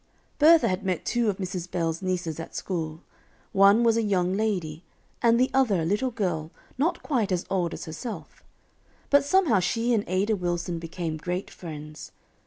Bertha had met two of Mrs. Bell's nieces at school; one was a young lady, and the other a little girl not quite as old as herself; but somehow she and Ada Wilson became great friends.